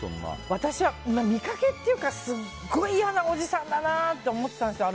私は、見かけっていうかすごい嫌なおじさんだなと思ったんですよ